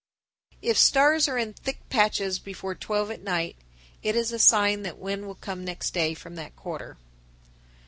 If stars are in thick patches before twelve at night, it is a sign that wind will come next day from that quarter.